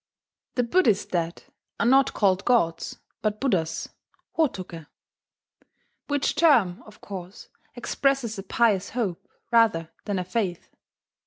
The Buddhist dead are not called gods, but Buddhas (Hotoke), which term, of course, expresses a pious hope, rather than a faith.